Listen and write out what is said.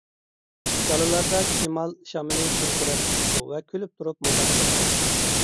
دالىلاردا شىمال شامىلى گۈركىرەپ چىقىپتۇ ۋە كۈلۈپ تۇرۇپ مۇنداق دەپتۇ.